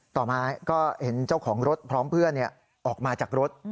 ต่อมาก็เห็นเจ้าของรถพร้อมเพื่อนออกมาจากรถ